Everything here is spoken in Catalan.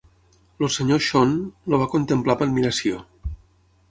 El Sr. Sean el va contemplar amb admiració.